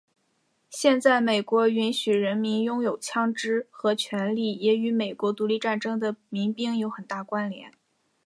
现在美国允许人民拥有枪枝的权利也与美国独立战争的民兵有很大关联。